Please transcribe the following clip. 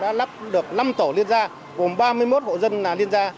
đã lắp được năm tổ liên gia gồm ba mươi một hộ dân liên gia